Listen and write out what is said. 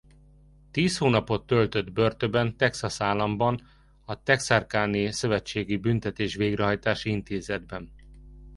Tíz hónapot töltött börtönben Texas államban a texarkana-i szövetségi büntetés-végrehajtási intézetben.